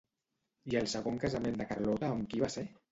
I el segon casament de Carlota amb qui va ser?